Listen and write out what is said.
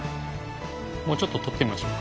もうちょっと撮ってみましょうか。